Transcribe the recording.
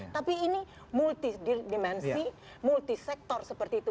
tapi ini multidimensi multisektor seperti itu